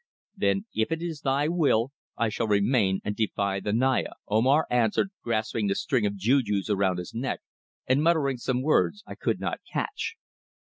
"Then if it is thy will I shall remain and defy the Naya," Omar answered, grasping the string of jujus around his neck and muttering some words I could not catch.